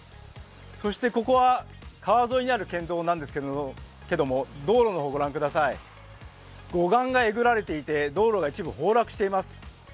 そしてここは川沿いにある県道なんですけれども、道路の方をご覧ください、護岸がえぐられていて道路が一部、崩落しています。